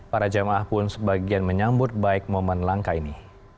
para jamaah pun sebagian menyambut baik momen langka ini